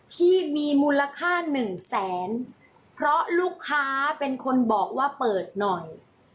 ที่มีมูลค่าหนึ่งแสนเพราะลูกค้าเป็นคนบอกว่าเปิดหน่อย